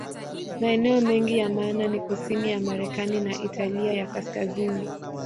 Maeneo mengine ya maana ni kusini ya Marekani na Italia ya Kaskazini.